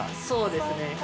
そうですね。